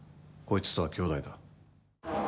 こいつとは兄弟だ。